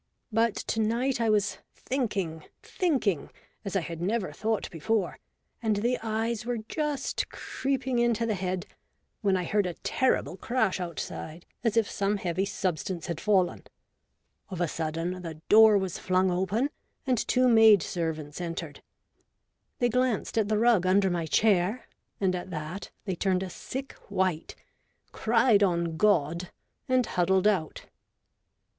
But to night I was thinking, thinking, as I had never thought before, and the eyes were just creeping into the head, when I heard a terrible crash outside as if some heavy substance had fallen. Of a sudden the door WHEN I WAS DEAD. I33 was flung open, and two maid servants entered. They glanced at the rug under my chair, and at that they turned a sick white, cried on God, and huddled out.